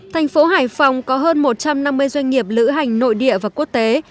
thành phố hải phòng có hơn một trăm năm mươi doanh nghiệp lữ hành nội địa và quốc tế